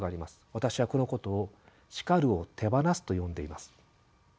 私はこのことを「叱るを手放す」と呼んでいます。